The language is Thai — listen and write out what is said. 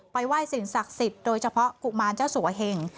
ไหว้สิ่งศักดิ์สิทธิ์โดยเฉพาะกุมารเจ้าสัวเหง